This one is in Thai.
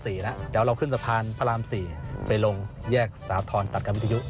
เดี๋ยวเราขึ้นสะพานพระราม๔ไปลงแยกสาธรณ์ตัดกับวิทยุ